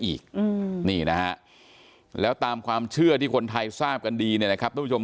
อีกนี่นะฮะแล้วตามความเชื่อที่คนไทยทราบกันดีเนี่ยนะครับทุกผู้ชม